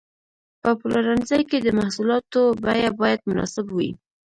په پلورنځي کې د محصولاتو بیه باید مناسب وي.